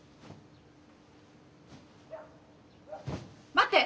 待って！